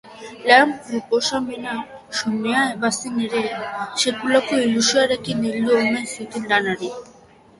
Lan-proposamena xumea bazen ere, sekulako ilusioarekin heldu omen zioten lanari.